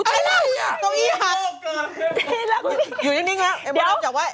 กรกอี้หักอยู่นิ่งแล้วไอ้มดรามจับไว้